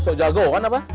sok jagoan apa